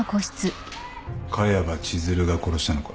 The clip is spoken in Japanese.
萱場千寿留が殺したのか？